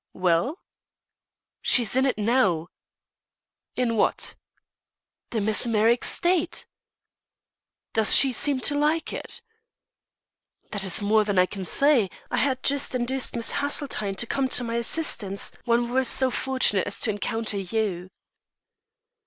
"Well?" "She's in it now." "In what?" "The mesmeric state." "Does she seem to like it?" "That is more than I can say. I had just induced Miss Haseltine to come to my assistance when we were so fortunate as to encounter you."